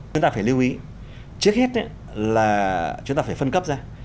chúng ta phải lưu ý trước hết là chúng ta phải phân cấp ra